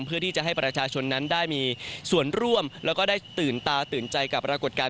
เพื่อที่จะให้ประชาชนนั้นได้มีส่วนร่วมแล้วก็ได้ตื่นตาตื่นใจกับปรากฏการณ